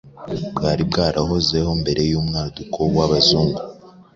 Bwari bwarahozeho mbere yumwaduko wabazungu